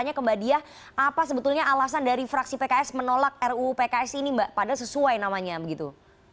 saya ke mbak diah apa sebetulnya alasan dari fraksi pks menolak ruu pks ini mbak padahal sesuai namanya begitu